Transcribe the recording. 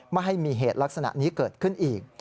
ไม่ให้มีเหตุลักษณะนี้เกิดขึ้นอีก